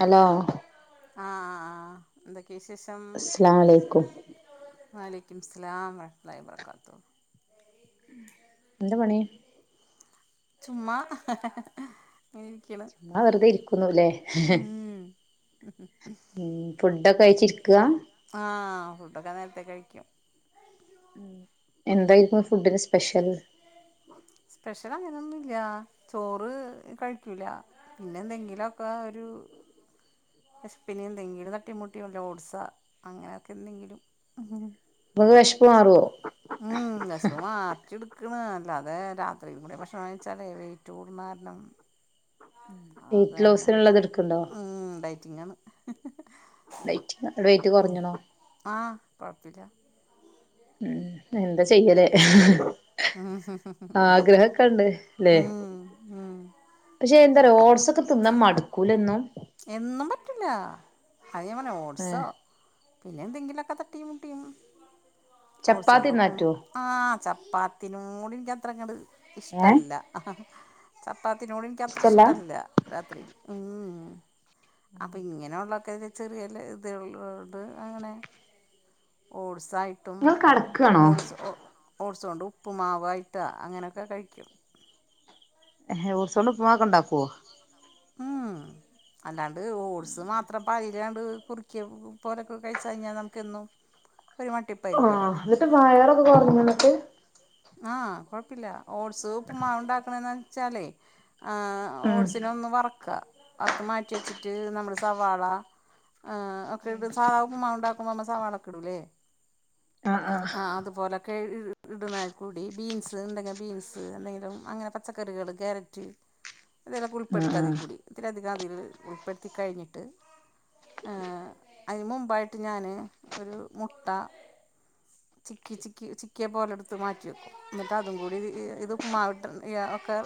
Hello ആ ഹ് എന്തൊക്കെ? വിശേഷം? അസലാമലേയ്ക്കും. വഅലൈകും ഇസ്സലാം റഹ്മത്തള്ളായി ബറക്കാത്തു. എന്ത പണി? ചുമ്മാ. ഇരിക്കണ് ചുമ്മാ വെറുതെ ഇരിക്കുന്നുല്ലേ? ഉം ഉം ഫുഡൊക്കെഴിച്ചിരിക്ക ആഹ് ഫുഡൊക്കെ നേരത്തെ കഴിക്കും. എന്തായിരുന്നു ഫുഡിനു സ്പെഷ്യൽ? സ്പെഷ്യൽ അങ്ങനെയൊന്നുല്ല, ചോറ് കഴിക്കൂല. പിന്നെന്തെങ്കിലൊക്കെ ഒരു വെഷപിന് എന്തെങ്കിലും തട്ടിമുട്ടിയൊ ഓട്സോ അങ്ങനെയൊക്കെന്തെങ്കിലും ങ്ങക്ക് വെശപ്പുമാറോ? വെശപ്പു മാറിച്ടക്കണ് അല്ലാതെ രാത്രീം കൂടെ ഭക്ഷണം കഴിച്ചാലേ വെയിറ്റ് കൂടുന്ന കാരണം. ആ വെയിറ്റ് അതെന്നെ ലോസിനുള്ളത് എടുക്ക്ണ്ടോ ഉം ഡയറ്റിങ്ങാണ്. Dieting, wait കുറഞ്ഞിണോ? ആഹ് കൊഴപ്പില്ല. ഉം എന്താ ചെയ്യലേ? ഉം ഹ് ഹ് ഹ് ആഗ്രഹ ക്കെണ്ട് ല്ലേ, ഉം ഉം പക്ഷെ എന്താ പറയ ഓട്സൊക്കെ തിന്നാ മടുക്കൂലെന്നും? എന്നും പറ്റില്ല അത് ഞ പറഞ്ഞില്ലെ ഓട്സോ ഏഹ് പിന്നെന്തെങ്കിലൊക്കെ തട്ടീം മുട്ടീം ചപ്പാത്തി തിന്നാ ഒട്സോണ്ടുപ്പുമാ പറ്റോ ആഹ് ചപ്പാത്തിനോടെനിക്കത്രങ്ങട് ഏഹ് ഇഷ്ടല്ല. ചപ്പാത്തിനോട് എനിക്ക് അത്ര ഇഷ്ടല്ല രാത്രി ഉം. ഉം അപ്പൊ ഇങ്ങനെയൊള്ളൊക്കെ ചെറിയല് ഇത് അത് ഉണ്ട് അങ്ങനെ ഓട്സായിട്ടും ഇങ്ങള് കടക്കാണോ ഓട്സ് ഒ ഓട്സ് കൊണ്ട് ഉപ്പുമാവായിട്ടോ അങ്ങനൊക്കെ കഴിക്കും. ഹെ ഓട്സുകൊണ്ട് ഉപ്പുമാവൊക്കെ ണ്ടാക്കുവോ? ഉം അല്ലാണ്ട് ഓട്സ് മാത്രം പ അല്ലാണ്ട് കുറിക്കിയ ഉപ്പോലൊക്കെ കഴിച്ചു കഴിഞ്ഞാ നമുക്കൊന്നും ഒരുമട്ടി ആഹ് ന്നട്ട് വയറൊക്കെ കുറഞ്ഞോ നിനക്ക്? ആ കുഴപ്പില്ല ഓട്സ് ഉപ്പുമാവ് ഉണ്ടാക്കണന്ന് വെച്ചാലേ ആഹ് ഉം ഓട്സിനെ ഒന്ന് വറക്കാ വറത്ത് മാറ്റി വെച്ചിട്ട് നമ്മള് സവാള ആഹ് ഒക്കെടും സാധാ ഉപ്പമാവൊക്കെണ്ടക്കുമ്പോ മള് സാവാളൊക്കെ ഇടുംല്ലേ ആഹ് അതുപോലൊക്കെ ഇട്ണ കൂടി ബീൻസ് ഉണ്ടെങ്കി ബീൻസ് എന്തെങ്കിലും അങ്ങനെ പച്ചക്കറികള് കാരറ്റ് അതിലക്കെ ആഹ് ഉൾപ്പെടുത്താതിൽ ആഹ് കൂടി ഇതിരിധികം അതിൽ ഉൾപ്പെടുത്തി കഴിഞ്ഞിട്ട് ആഹ് അതി മുമ്പായിട്ട് ഞാന് ഒരു മുട്ട ചിക്കി ചിക്കി ചിക്കിയെ പോലെടുത്ത് മാറ്റി വെക്കും എന്നിട്ട്അതുംകൂടിഇത്ഉപ്പ്മാവിട്ട്ഒക്കെ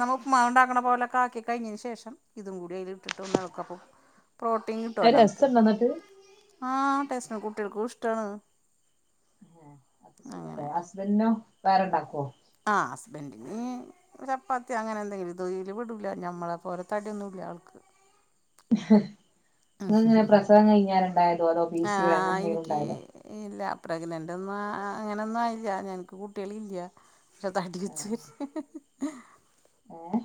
നമ്മൾ ഉപ്പ്മാവ് ഇണ്ടാക്ക്ണപോലൊക്കെ ആക്കി കഴിഞ്ഞന് ശേഷം ഇതും കൂടി അതിലിട്ടിട്ട് ഒന്ന് എളകും അപ്പം [inaudible] പ്രോട്ടീൻ അത് കിട്ടുവല്ലോ നമുക്ക് രസണ്ടോ എന്നിട്ട് ആഹ് ടേസ്റ്റാകുട്ടികൾക്കും ഇഷ്ടാണ് അപ്പ സുഖല്ലേ ഹസ്ബൻഡനോ വേറെണ്ടാക്കോ? ആഹ് ഹസ്ബൻഡ് ന് ചപ്പാത്തി അങ്ങനെ എന്തെങ്കിലും തേയില് പെടുല ഞമ്മളെ പോല തടിയൊന്നുല്ല ആൾക്ക് ങ്ങള് ഇങ്ങനെപ്രസവംകഴിഞ്ഞാരെ ഇണ്ടായതോ അതോ പി സി അങ്ങനെ ആഹ് എന്തെങ്കിലും എനിക്ക് ഇണ്ടായതോ? ഇല്ല പ്രഗ്നന്റ് ഒന്നും അ അ അങ്ങനെ ഒന്നും ആയില്ല ഞങ്ങക്ക് കുട്ടിളില്ല [unintelligible] ഏഹ്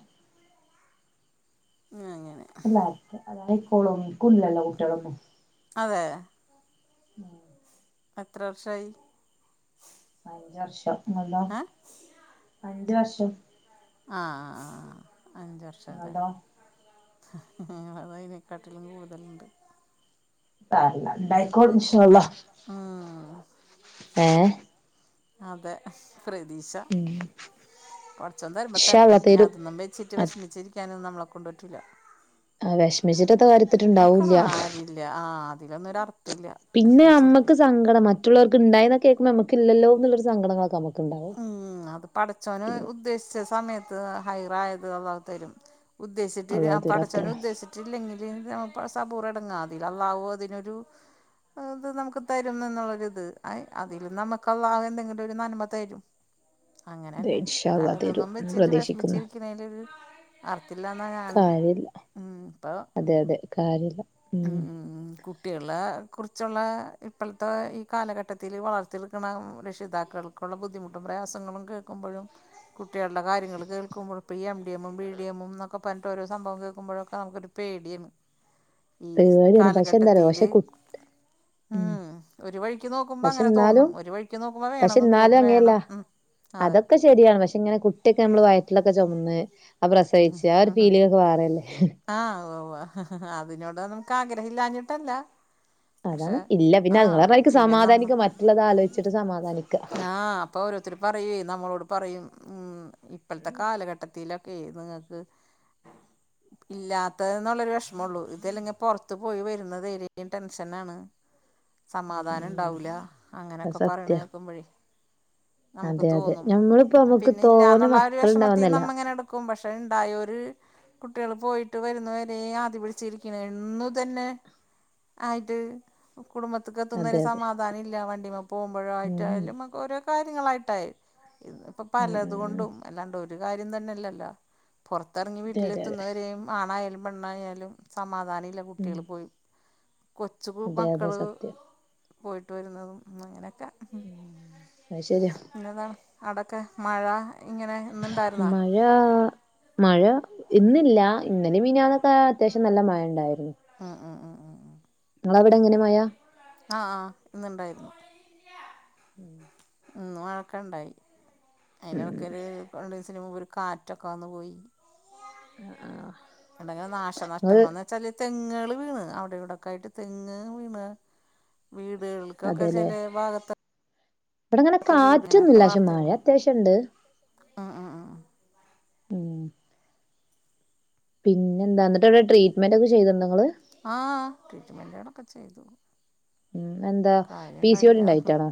ആഹ് അങ്ങനെ അല്ല അത് ആയിക്കോളും ഇൻകും ഇല്ലല്ലോ കുട്യളൊന്നും അതെ ഉം എത്ര വർഷായി? അഞ്ച് വർഷം ഇങ്ങൾതോ ഏഹ് അഞ്ച് വർഷം ആഹ് ആഹ് ആഹ് അഞ്ച് വർഷം ലെ നിങ്ങൾതോ ഞങ്ങളത് അയ്നേക്കാട്ടിലും കൂട്തല്ണ്ട് സാരല്ല ഇണ്ടായ്ക്കോളും ഇൻഷാ അള്ളാ ആഹ് ഏഹ് അതെ പ്രതീഷ ഉം കൊർച്ചൊന്ന് തരുമ്പോ ഇൻഷാ തര്ട്ടെ അള്ളാ തരും ഞഅതൊന്നും വെച്ചിട്ട് അത് വെഷ്മിച്ച് ഞാനൊന്നും നമ്മളെ കൊണ്ട് പറ്റുല വിഷമിച്ചിട്ടത്തെ ഒക്കെ കാര്യത്തിട്ടുണ്ടാവൂല്ല ആയി ഇല്ല ആഹ് അതിലൊന്നും ഒരു അർത്ഥ ഇല്യ വെശമിച്ചിരിക്കല് മറ്റുള്ളോർക്ക് ഇണ്ടായിന്ന് കേക്കുമ്പോ നമക്ക് ഇല്ലല്ലോ എന്നുള്ളൊരു സങ്കടങ്ങളള് നമു ഉം അത് പടച്ചോന് ഉദ്ദേശിച്ച സമയത്ത് ഹൈറായത് അള്ളാഹു തരും ഉദ്ദേശിച്ട്ടില്ല അള്ളാഹു തരും പടച്ചോന് അത്രേള്ളൂ ഉദ്ദേശി [unintelligible] സബൂർ അടങ്ങാതി അല്ലാഹു അതിനൊരു ഇത് നമുക്ക് തരും എന്നുള്ളൊരു ഇത് അതിൽ നമുക്കള്ളാഹു എന്തെങ്കിലും ഒരു നന്മ തരും അതെ അങ്ങനെന്നെ ഇൻഷാ അല്ലാണ്ട് അല്ലാഹ് തരും ഇതൊന്നും എന്ന് വെച്ചിട്ട് പ്രതീക്ഷിക്കുന്നു വിഷമിച്ചിരിക്കുന്നതില് ഒര് അർത്ഥല്ലാന്നാണ് കാര്യല്ല ഉം ഇപ്പ അതെ അതെ കാര്യല്ല ഉം ഉം കുട്ടികളെ കുർച്ചുള്ളെ ഇപ്പൾത്തെ ഈ കാലഘട്ടത്തില് വളർത്തി എട്ക്കണ രക്ഷിതാക്കൾ കുള്ള ബുദ്ധിമു പ്രയാസങ്ങളും കേൾക്കുമ്പഴും കുട്ടികളെ കാര്യങ്ങൾ കേൾക്കുമ്പയും ഇപ്പോ ഈ എംഡി എമ്മും ബിഡി എമ്മും എന്നൊക്കെ പർഞ്ട്ട് ഓരോ സംഭവം കേക്കുമ്പോഴൊക്കെ നമുക്ക് ഒരു പെടിയെന്നു ഈ പേടിയാണ് പക്ഷെ എന്താറിയോ പക്ഷെ കാലഘട്ടതീല് കു ഉം ഒരു വഴിക്ക് നോക്കുമ്പോ പക്ഷെ അങ്ങനെ തോന്നും എന്നാലും ഒരു വഴിക്ക് നോക്കുമ്പോ പക്ഷെ വേണന്ന് എന്നാലും തോന്നും അങ്ങനെയല്ല വേണം ഉം അതെ അതൊക്കെ ശെരിയാണ് പക്ഷെ ഇങ്ങനെ കുട്ടി ഒക്കെ നമ്മള് വയറ്റിലൊക്കെ ചോമന്ന് അഹ് പ്രസവിച്ച് ആഹ് ഒരു ഫീലിങ്ങ് ഒക്കെ വേറല്ലേ? ആഹ് ഉവ്വ്വ്വ് അതിനോടൊന്നും ഇൻക്ക് ആഗ്രഹല്ലാഞ്ഞിട്ടല്ല അതാണ് ഇല്ല പിന്നെ ഇങ്ങളെ മാതിരിക്ക് പിന്നെ നമ്മ സമാധാനിക്ക മറ്റുള്ളത് ആലോചിച്ചിട്ട് സമാധാനിക്ക ഇപ്പൊ ഓരോരുത്തര് പറയ്യെ നമ്മളോട് പറയും ഉം ഇപ്പത്തെ കാലഘട്ടത്തിലാ ഹേ നിങ്ങക്ക് [inaudible] ഇല്ലാത്തത് ഇന്ന്ള്ളൊരു വിഷമംള്ളൂ ഇതല്ലെങ്കി പോർത്ത് പോയി വരുന്നത് ഏലും ടെൻഷനാണ് [unintelligible] സമാധാനം ഉം ഉണ്ടാവൂല്ല അത് അങ്ങനെക്കെ പറിണെ സത്യാ കേക്കുമ്പോഴേ നമുക്ക് അതെ അതെ തോന്നും ഞമ്മളിപ്പോ നമ്മുക്ക് പിന്നെ തോനെ ഇല്ലാന്നുള്ള ആഹ് ഒരു വിഷമത്തിന്ന് മക്കളുണ്ടാവുന്നല്ല നമ്മ ഇങ്ങനെ എട് ക്കും പക്ഷേ ഇണ്ടായൊര് കുട്ടികൾ പോയിട്ട് വരുന്നവരെ ആദി പിടിച്ചിരിക്ണ എന്നും തന്നെ ആയിട്ട് കുടുംബത്ത്ക്ക് എത്തുന്ന അതെ വരെ അതെ സമാ ദാനമില്ല വണ്ടിമ്മെ ഉം പോകുമ്പോഴയിട്ടായാലും ഓരോ കാര്യങ്ങളായിട്ടായി പ്പ ഉം പലത് ഉം കൊണ്ടും അല്ലാണ്ട് ഒരു കാര്യം തന്നെയല്ലല്ലോ പോർത്തറങ്ങി അതെ അതെ അതെ വീട്ടിലെത്തുന്നവരെയും ആണായാലും പെണ്ണായാലും സമാധാനം ഇല്ല ഉം കുട്ട്യാള് പോയി കൊച്ചു അതെ അതെ മക്കള് സത്യം പോയിട്ട് വരുന്നതും അങ്ങനെക്കെ ഉം അത് ശരിയാ പിന്നെന്താ അടക്കെ മഴ ഇങ്ങനെ ഇന്നുണ്ടായിരുന്നോ മഴ ആ മഴ മഴ ഇന്ന്ല്ല ഇന്നലേം മിഞ്ഞാന്നൊക്കെ അത്യാവശ്യം നല്ല മഴ ണ്ടായിരുന്നു ഉം ഉം ഉം ഉം ഉം നിങ്ങള അവിടെ എങ്ങനെ മഴ ആ ആ ഇന്ന്ണ്ടായിരുന്നു ഉം ഇന്നു മഴൊക്കണ്ടായി അയ്ന് വക്കല് രണ്ടീസ്ന് മുമ്പ് ഒരു കാറ്റ് റ്റൊക്കാന്നു പോയി ആഹ് ആഹ് എണ്ടെങ്കിലും നാശനഷ്ടങ്ങൾന്ന് ചെലെ തെങ്ങുകൾ വീണ് അവിടെ ഇവിടെക്കെ ആയിട്ട് തെങ്ങ് വീണ് വീടുകൾ ക്കൊക്കെ അതെല്ലേ ചെലെ ഭാഗത്ത് ഇവിടെങ്ങനെ കാറ്റൊന്നുംല്ല പക്ഷെ മഴ വാർത്തകൾ അത്യാവശ്യണ്ട് ഉം ഉം ഉം ഉം പിന്നെന്താന്നിട്ടെവ്ടെ ട്രീറ്റ്മെന്റൊക്കെ ചെയ്ത് ണ്ടോ ങ്ങള് ആ ട്രീറ്റ്മെന്റെളൊക്കെ ചെയ്തു ഉം എന്താ പി സി ഒ ഡി കാര്യണ്ടായില്ല ണ്ടായ്റ്റാണോ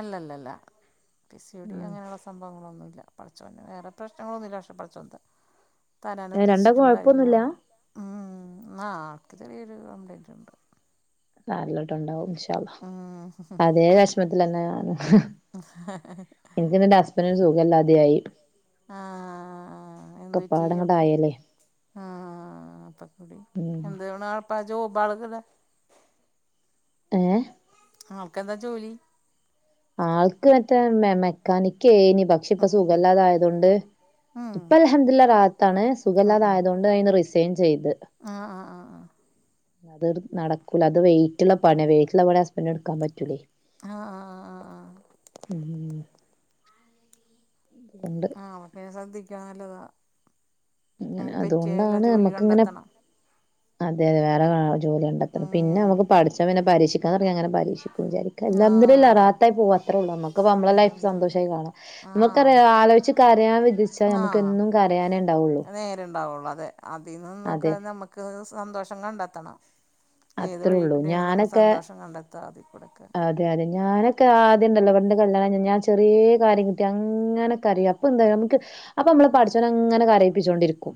അല്ലല്ലല്ല പി സി ഒ ഡി ഉം അങ്ങനെവസ്‌ സംഭവങ്ങളൊന്നുല്ല പട്‌ച്ചോൻ വേറെ പ്രശ്നങ്ങളൊന്നു ഇല്ല പക്ഷേ പട്‌ച്ചോൻ ത രണ്ടാക്കും തരാനുദ്ദേശിച്ചിട്ടുണ്ടാവില്ല കൊഴപ്പൊന്നുല്ല മ് മ് ആ ആൾക്ക് ചെറിയൊരു കംപ്ലൈൻറ്ണ്ട് [unintelligible] അള്ളാഹ് ഉം അതേ വെഷ്മത്ത്ലന്നെ ഞാനും ഇൻ പിന്നെന്റെ ഹസബന്റിന് സുഖംല്ലാതെയായി ആഹ് ആഹ് ആഹ് ആഹ് ആഹ് ആ എന്ത് പറ്റി ആൾക്ക് ഒക്കപ്പാടങ്ങട്ടായല്ലേ ആ ആ ആ അപ്പക്കുടി ഉം [unintelligible] ആ ജോബാള്ങ്ങനെ ഏ ആക്കെന്താ ജോലി ആൾക്ക് മറ്റേ മെ മെക്കാനിക്കേയ്ന് പക് പക്ഷെ ഇപ്പ സുഖല്ലാതായതോണ്ട് ഉം പ്പ അൽഹംദുല്ലാ റാഹത്താണ് സുഖല്ലാതായതോ ണ്ടയ്ന്ന് റിസൈൻ ചെയ്ത് ആഹ് ആഹ് ആഹ് അത്ട്‌ നടക്കൂല അത് വെയ്റ്റ്ള്ള പണി വെയ്റ്റ്ള്ള പണി ഹസ്പെൻഡ്ന് ടുക്കാൻ പറ്റൂലേയ് ആഹ് ആഹ് ആഹ് ആഹ് ആഹ് ഉം ഉം ഉണ്ട് ആ അവർക്ക് പിന്നെ ശ്രദ്ധിക്കാൻ നല്ലതാ അങ്ങനെ അയിന് പറ്റിയ വല്ല അതുകൊണ്ടാണ് ജോലി നമ്മക്ക് ഇങ്ങനെ കണ്ടെത്തണം അതെ അതെ വേറെ ജോലി കണ്ടത്തണം ഉം പിന്നെമുക്ക് പട്ച്ചോൻ പിന്നെ പരീഷിക്കാതോട്ങ്ങിയാ അങ്ങനെ പരീഷിക്കും വിചാരിക്കും ആഹ് അൽഹംദുലില്ലാഹ് അതന്നെ റാത്തായി പോവാ അത്രേ ഉള്ളൂ മ്മക്ക് പൊ മ്മള ലൈഫ് അൽഹംദുലില്ലാ സന്തോഷായി കാണ് നമുക്കറിയ ആഹ് അതെ ആലോചിച്ച് കരയാൻ വിധിച്ചാൽ നമുക്ക് എന്നും കരയാനേ ഉണ്ടാവുള്ളൂ നേരെണ്ടാവുള്ളു അതെ അതിൽ അതെ നിന്നൊക്കെ നമ്മുക്ക് സന്തോഷം കണ്ടെത്തണം ഏത് അത്രേ വഴി ഉള്ളൂ കൂടെയാണ് നമ്മൾ ഞാനൊക്കെ സന്തോഷം കണ്ടെത്താ അതിൽ കൂടൊക്കെ അതെ അതെ ഞാനൊക്കെ ആദ്യംണ്ടല്ലോ പണ്ട് കല്യാണം കയ്ഞ്ഞ ഞാൻ ചെറിയ കാര്യം കിട്ടിയ അങ്ങന കരയും അപ്പൊ എന്ത നമക്ക് അപ്പൊ മ്മളെ പട്ച്ചോന് അങ്ങനെ കരയിപ്പിച്ചോണ്ടിരിക്കും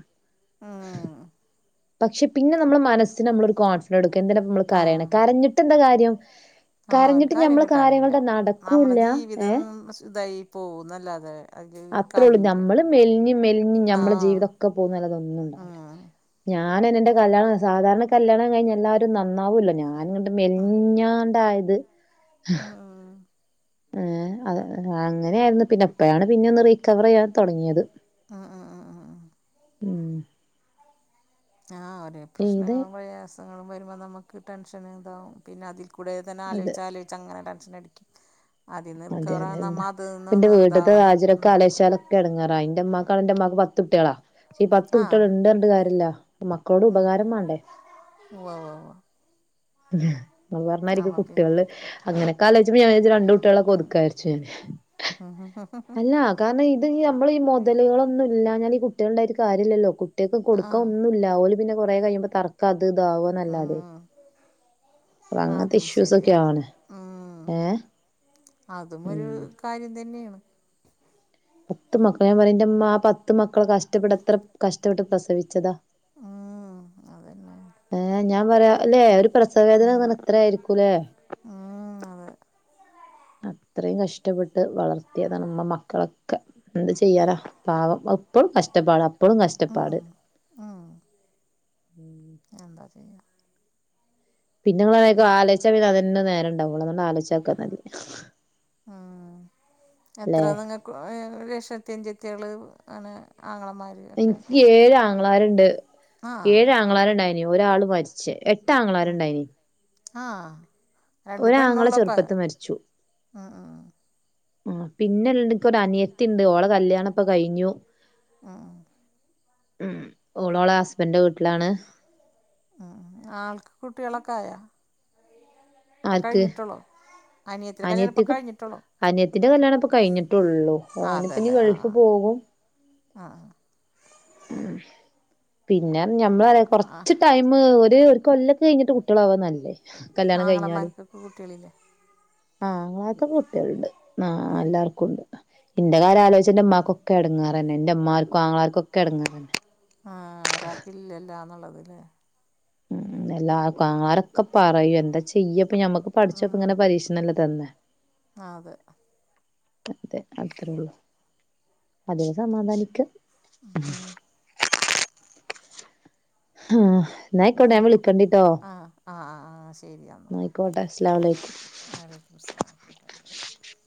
ഉം പക്ഷെ പിന്നെ നമ്മള മനസ്സിന് നമ്മളൊരു കോൺസ്‌ ഇ എടുക്ക എന്തിന നമ്മള് കരയണ് കരഞ്ഞിട്ട് എന്ത കാര്യം ആ ഒരു കരഞ്ഞിട്ട് കാര്യം നമ്മളെ കിട്ടാനില്ല കാര്യങ്ങളുടെ നമ്മളെ നടക്കൂല്ല ജീവിതം ഇതായി പോകന്നല്ലാതെ അത്രേ ഉള്ളൂ നമ്മള് മെൽഞ്ഞ് മെൽഞ്ഞ് ഞ്ഞമ്മളെ ആഹ് ജീവിതക്കെ പോകുന്നല്ലാതെ ഒന്നുംണ്ടാവ് ല ഉം ഞാൻ എന്റെ കല്യാണം, സാധാരണ കല്യാണം കഴിഞ്ഞ എല്ലാവാരും നന്നാവല്ലോ! ഞാൻ ഇങ്ങട്ട് ഉം മെല്ഞ്ഞാണ്ടായത് ഉം ഉം ഏഹ് അ അങ്ങനെയ ആയിരുന്നു പിന്നെ ഇപ്പോഴാണ് പിന്നെ ഒന്ന് റീക്കവെറയ്യാൻ തൊടങ്ങിയത് ആഹ് ആ ആ ആ ഉം ആഹ് ഒരേ ഇത് പ്രശ്നങ്ങളും പ്രയാസങ്ങളും വരുമ്പോൾ നമുക്ക് ടെൻഷന് ഇതാവും പിന്നെ അതി ൽകൂടെ തന്നെ അത് ആലോചിച്ച് ആലോചിച്ചാ അങ്ങനെ ടെൻഷൻ അടിക്കും അതിന്ന് അതെ അതെ റിക്കവെറാവെന്ന എന്താ നമ്മ അതിന്ന് ഇതാവണം ഉം ഇൻക്ക് എടങ്ങേറാ ഇന്റെ ഇന്റെമ്മാക്കാണെങ്കിൽ ഇന്റ മ്മാക്ക് പത്ത് കുട്ടികളാ പക്ഷെ, പത്ത് ആ കുട്ടികൾ ഇണ്ട് പർഞ്ഞിട്ട് കാര്യല്ലാ മക്കളോട് ഉപകാരം മാണ്ടേ ഉവ്വ ഉവ് ഉവ്വ് ഹെ പറഞ്ഞായിരിക് ആവാം പിന്നെ കുട്ടിയള് അങ്ങെനൊക്കെ ആലോചിച്ച ഞാൻ രണ്ട് കുട്ടികളൊക്കെ ഓതുക്ക വിചാരിച്ചു ഞാൻ അഹ അഹ് അഹ ഹാ കാർണം ഇത് നമ്മൾ ഈ മുതലുകളൊന്നും ഇല്ലാഞ്ഞാൽ ഈ കുട്ടികളുണ്ടായാൽ ഒരു കാര്യല്ല്ലോ കുട്ടികൾക്ക് ആ കൊടുക്കൻ ഒന്നും ല്ല്ലാ പിന്നെ കുറെ കഴുമ്പോ തർക്ക അത് ഇത് ആവല്ലാതെ ഉം. അതും ഇഷ്യൂസ് ശരിയാണ് ഒക്കെയാണ്. ഉം ഏഹ് അതും ഉം ഒരു കാര്യം തന്നേയാണ് പത്ത് മക്കള് ഞാൻ പറയും ഇന്റെമ്മ ആ പത്ത് മക്കളെ കഷ്ടപ്പെട്ട്‌എത്ര കഷ്ടപ്പെട്ട് പ്രസവിച്ചതാ ഊമ് അതെന്നേ ഏ്ഹ് ഞാൻ പറയാ അല്ലെ, ഒരു പ്രസവേദന പറഞ്ഞാ എത്ര ആയിരിക്കുംല്ലേ ഊമ് അതേ അത്രെയും കഷ്ടപ്പെട്ട് വളർത്തിയതാണ് ഉമ്മ മക്കളൊക്കേ എന്ത് ചെയ്യാലാ പാവം അഹ്പ്പളും കഷ്ടപ്പാട് അപ്പളും ഉം. കഷ്ടപ്പാട് ഉം. ഉം. എന്താ ചെയ്യാ പിന്നെ നിങ്ങള് ആലെയ്ച്ച പിന്നെ അതെന്നേ നേരഇണ്ടാവുള്ളൂ അയോണ്ട്ആലൊയ്ച്ചാതെ ഇക്ക നല്ലേയ് ഉം എത്ര ല്ലേ നിങ്ങൾക്ക് ഏഷ്ടത്തി യഞ്ചെത്തിയേള് ആണ് ആങ്ങമാര് ഇൻക്കി ഏഴ് ആങ്ങളാരുണ്ട് ആഹ് ഏഴ് ആങ്ങളാരുണ്ടായിന് ഒരാള് മര് ച്ച് എട്ട് ആങ്ങെളാർ ഇണ്ടായിനി ആഹ് രണ്ട് ഒരാങ്ങള പെണ്ണുള്ളപ്പാ ചെറുപ്പത്തി ഹ്‌ ഹ്‌ പിന്നെൽക്ക്ണ്ട് ഒരു അനിയത്തി ഇണ്ട് ഓളെ കല്യാണ ഇപ്പൊ കഴിഞ്ഞു ആഹ് ഉം ഓളോളെ ഹസ്ബൻന്റെ വീട്ട്ലാണ് ഉം ആൾക്ക് കുട്ടികളൊക്കെ ആയോ ഇപ്പൊ ആർക്ക് കഴിഞ്ഞിട്ടൊള്ളോ? അനിയത്തീടെ കല്യാണം ഇപ്പം അനിയത്തിക്ക് കഴിഞ്ഞിട്ടൊള്ളു അനിയത്തിന്റെ കല്യാണം ഇപ്പൊ കഴിഞ്ഞിട്ടുള്ളൂ ആഹ് ഓനിപ്പം ങ്ങി അതെല്ലേ ഗൾഫ് ആഹ് പോകും ആഹ് പിന്നേന്ന് പറഞ്ഞ ആഹ് ഞമ്മളെർഞ്ഞാകൊറച്ച് ടൈ മ് ഒരു കൊല്ലൊക്കെ കഴിഞ്ഞിട്ട് കുട്ടികളാവാ നല്ലത് കല്യാണം കഴിഞ്ഞാലും ആങ്ങളമാർക്കൊക്കെ കുട്ടികളില്ലേ ആങ്ങളാർക്കൊക്കേ കുട്ടികള്ണ്ട് ആഹ് അല്ലാർക്കുംണ്ട് ഇന്റെ കാര്യം ആലോചിച്ചിന്റെമ്മാക്കൊ ക്കെ എടങ്ങേറന്നെ ഇന്റെ ഇമ്മാർക്കും ആങ്ങളാർക്കൊക്കേ എടങ്ങേറെന്നേ ആഹ് ഒരാക്കില്ലൊല്ലാ എന്നുള്ളത്‌ല്ലേ ളം എല്ലാ ആങ്ങെളാരൊക്കെ പറയും എന്താ ചെയ്യപ്പൊ ഞമ്മക്ക് പടച്ചോൻ ഇങ്ങനെപ്പം പരീക്ഷണംല്ലെ തെന്നേ ആഹ് അതെ അതെ അത്രേള്ളു അതിന് സമാധാനിക്ക ആഹ് ഹാഹ് എങ്ന് ഫുഡ് ആഹ് ആഹ ആ ആ ശെരിന്നാ ഇന്നാ ഐയിക്കോട്ടെ അസ്ലാമലൈക്കും വാ അലൈക്കും മുസലാ വറഹ് മത്തുള്ളാഹി വബറക്കാത്തു